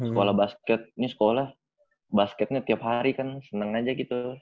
sekolah basket ini sekolah basketnya tiap hari kan seneng aja gitu